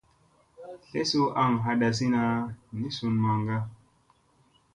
Sle suu aŋ hadazina ni sun maŋga.